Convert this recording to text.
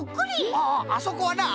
あああそこはな